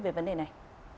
về vấn đề này